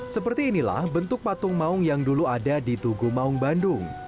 seperti inilah bentuk patung maung yang dulu ada di tugu maung bandung